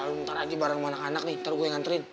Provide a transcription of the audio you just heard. udah lo ntar aja bareng anak anak nih ntar gue yang ngantriin